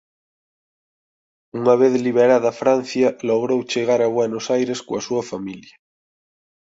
Unha vez liberada Francia logrou chegar a Buenos Aires coa súa familia.